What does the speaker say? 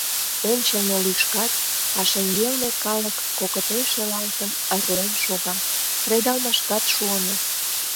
Ончылно лӱшкат, а шеҥгелне калык, кокыте шелалтын, ырлен шога, кредалмашкат шуыныт.